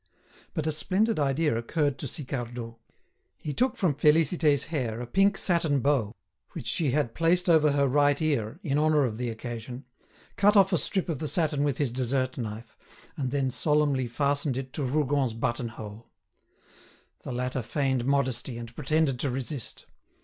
But a splendid idea occurred to Sicardot. He took from Félicité's hair a pink satin bow, which she had placed over her right ear in honour of the occasion, cut off a strip of the satin with his dessert knife, and then solemnly fastened it to Rougon's button hole. The latter feigned modesty, and pretended to resist.